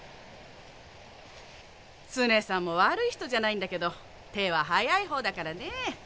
ツネさんも悪い人じゃないんだけど手は早い方だからね。